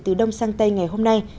từ đông sang tây ngày hôm nay